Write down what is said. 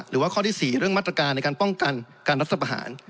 หรือว่าข้อที่๔เรื่องมาตรการในการป้องกันการรัฐประหาร